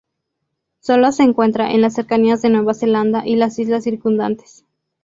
Solo se encuentra en las cercanías de Nueva Zelanda y las islas circundantes.